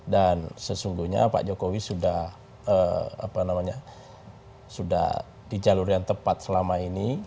dan sesungguhnya pak jokowi sudah di jalur yang tepat selama ini